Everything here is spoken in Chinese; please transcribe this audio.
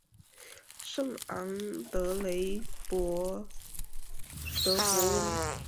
圣昂德雷德博翁。